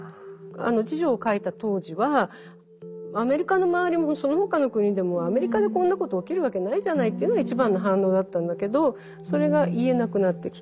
「侍女」を書いた当時はアメリカの周りもその他の国でもアメリカでこんなこと起きるわけないじゃないっていうのが一番の反応だったんだけどそれが言えなくなってきた。